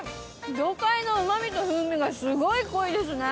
魚介のうまみと風味がすごい濃いですね。